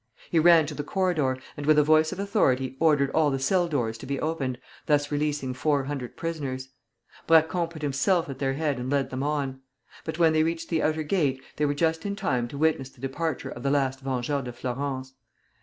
He ran to the corridor, and with a voice of authority ordered all the cell doors to be opened, thus releasing four hundred prisoners. Braquond put himself at their head and led them on. But when they reached the outer gate, they were just in time to witness the departure of the last Vengeur de Flourens.